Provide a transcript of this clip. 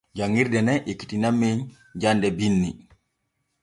Janŋirde nen ekkitinan men jande binni.